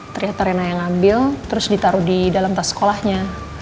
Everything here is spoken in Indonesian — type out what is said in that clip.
ternyata rena yang ngambil terus ditaruh di dalam tas sekolahnya